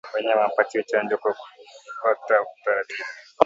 Wanyama wapatiwe chanjo kwa kufata utaratibu